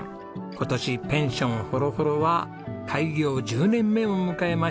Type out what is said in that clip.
今年ペンションほろほろは開業１０年目を迎えました。